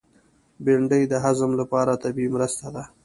بېنډۍ د هضم لپاره طبیعي مرسته ده